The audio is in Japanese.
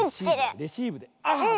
レシーブであっ！